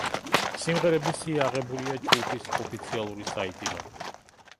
სიმღერების სია აღებულია ჯგუფის ოფიციალური საიტიდან.